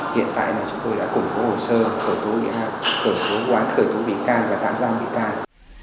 hiện tại là chúng tôi đã củng hộ hồ sơ khởi tố quán khởi tố bị can và tạm giam bị can